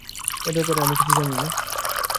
এ ব্যাপারেও আমি কিছু জানি না।